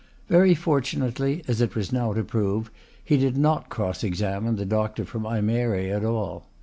Very fortunately, as it was now to prove, he did not cross examine the doctor from Ajmere at all.